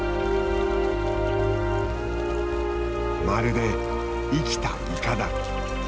まるで生きたいかだ。